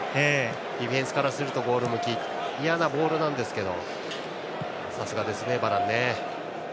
ディフェンスからするとゴール向き嫌なボールなんですけどさすがですね、バラン。